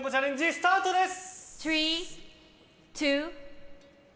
スタートです！